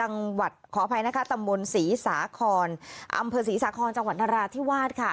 อ่ำเผอร์ศรีสาคนจังหวัฒนาราชที่วาดค่ะ